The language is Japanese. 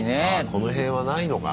この辺はないのか。